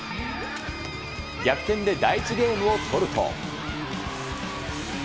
逆転で第１ゲームを取ると。